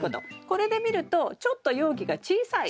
これで見るとちょっと容器が小さい。